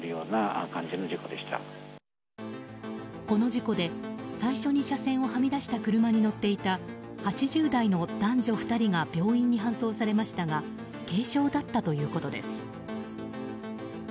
この事故で最初に車線をはみ出した車に乗っていた８０代の男女２人が病院に搬送されましたが軽傷だったということです。